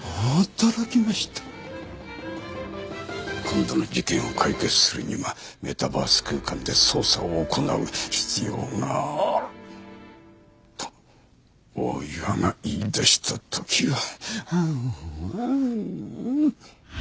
今度の事件を解決するにはメタバース空間で捜査を行う必要があると大岩が言い出した時は。